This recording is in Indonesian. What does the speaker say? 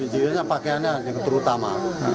jirinya pakaiannya yang terutama